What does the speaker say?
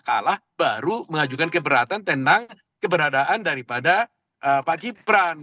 kalah baru mengajukan keberatan tentang keberadaan daripada pak gibran